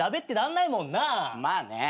まあね。